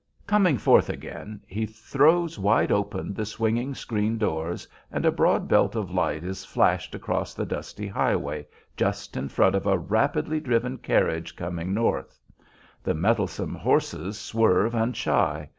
Coming forth again he throws wide open the swinging screen doors, and a broad belt of light is flashed across the dusty highway just in front of a rapidly driven carriage coming north. The mettlesome horses swerve and shy.